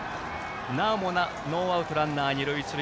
なおもノーアウトランナー二塁一塁。